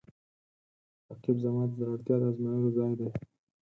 رقیب زما د زړورتیا د ازمویلو ځای دی